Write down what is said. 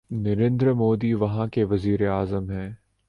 نریندر مودی وہاں کے وزیر اعظم ہیں۔